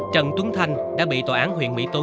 trần tuấn thanh đã bị tòa án huyện mỹ tú